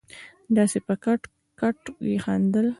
داسې په کټ کټ يې وخندل.